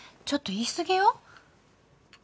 ちょっと言いすぎよ。